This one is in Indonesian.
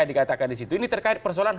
dikatakan disitu ini terkait persoalan